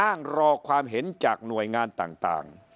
อ้างรอความเห็นจากหน่วยงานต่าง